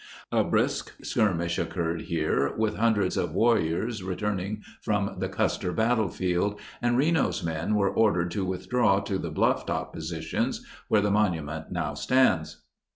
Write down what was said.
A brisk skirmish occurred here with hundreds of warri ors returning from the Custer Battlefield, and Reno's men were ordered to withdraw to the blufftop positions where the monument now stands.